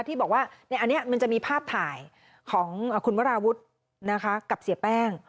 ที่บอกว่าอันนี้มันจะมีภาพถ่ายของคุณวราวุฒิกับเสียแป้ง